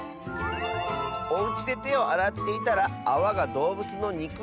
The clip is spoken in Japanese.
「おうちでてをあらっていたらあわがどうぶつのにく